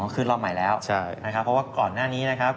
ขึ้นรอบใหม่แล้วนะครับเพราะว่าก่อนหน้านี้นะครับ